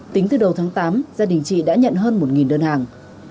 tính từ đầu tháng tám gia đình chị đã nhận hơn một đơn hàng